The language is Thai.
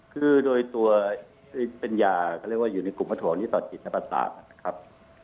คือโดยตัวเป็นยาอยู่ในกลุ่มประถวงนี้ต่อจิตนักประสาทครับ